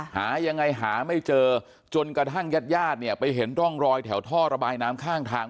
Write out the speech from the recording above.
หายังไงหาไม่เจอจนกระทั่งญาติญาติเนี่ยไปเห็นร่องรอยแถวท่อระบายน้ำข้างทาง